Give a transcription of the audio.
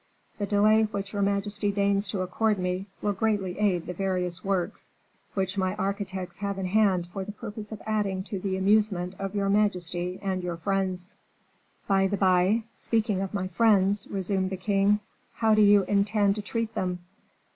"The delay which your majesty deigns to accord me will greatly aid the various works which my architects have in hand for the purpose of adding to the amusement of your majesty and your friends." "By the by, speaking of my friends," resumed the king; "how do you intend to treat them?"